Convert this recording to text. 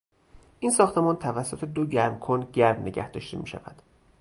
این ساختمان توسط دو گرمکن گرم نگهداشته میشود.